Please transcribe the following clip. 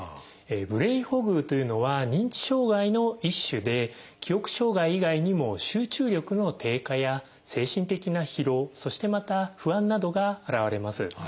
ブレインフォグというのは認知障害の一種で記憶障害以外にも集中力の低下や精神的な疲労そしてまた不安などが現れます。